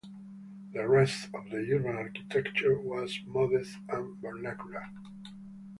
The rest of the urban architecture was modest and vernacular.